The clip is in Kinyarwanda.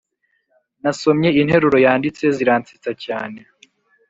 nasomye interuro yanditse ziransetsa cyane